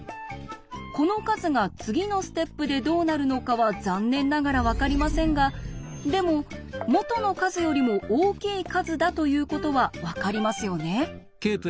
この数が次のステップでどうなるのかは残念ながら分かりませんがでも元の数よりも大きい数だということは分かりますよね。